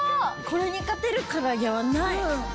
これに勝てる唐揚げはない。